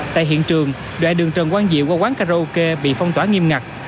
tại hiện trường đoạn đường trần quang diệu qua quán karaoke bị phong tỏa nghiêm ngặt